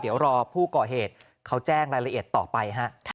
เดี๋ยวรอผู้ก่อเหตุเขาแจ้งรายละเอียดต่อไปฮะ